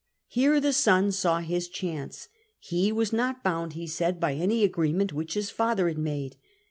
Here the son saw his chance. He was not bound, he said) by any agreement which his father had made.